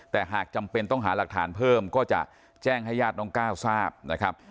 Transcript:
แต่หากจำเป็นต้องหาหลักฐานเพิ่มก็จะแจ้งให้ญาติน้องก้าวทราบนะครับ